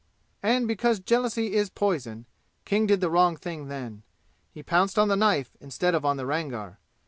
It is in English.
And because jealousy is poison King did the wrong thing then. He pounced on the knife instead of on the Rangar.